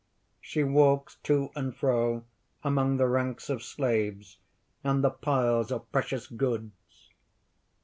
(_She walks to and fro among the ranks of slaves and the piles of precious goods.